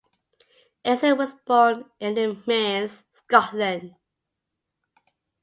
Anderson was born in The Mearns, Scotland.